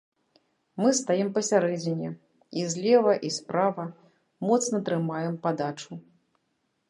Мы стаім пасярэдзіне, і злева і справа, моцна трымаем падачу.